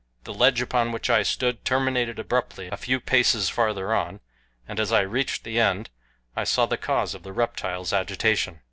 The ledge upon which I stood terminated abruptly a few paces farther on, and as I reached the end I saw the cause of the reptile's agitation.